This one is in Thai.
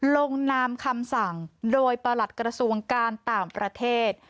ลงนามคำสั่งโดยประหลัดกระทรวงการต่างประเทศ